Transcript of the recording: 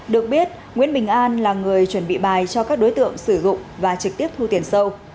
được biết nguyễn bình an là người chuẩn bị bài cho các đối tượng sử dụng và trực tiếp thu tiền sâu